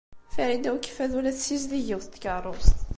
Farida n Ukeffadu la tessizdig yiwet n tkeṛṛust.